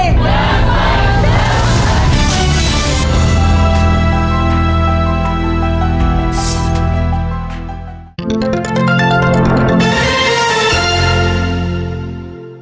สวัสดีครับ